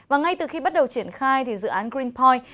và ngay từ khi bắt đầu triển khai thì dự án greenpoint